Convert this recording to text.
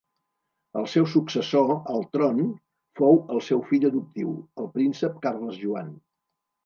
El seu successor al tron fou el seu fill adoptiu, el príncep Carles Joan.